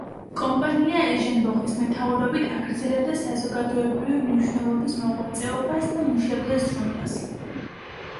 კომპანია ეჟენ ბოხის მეთაურობით აგრძელებდა საზოგადოებრივი მნიშვნელობის მოღვაწეობას და მუშებზე ზრუნვას.